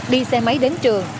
đi xe máy đến trường